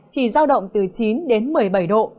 chỉ giao động từ chín đến một mươi bảy độ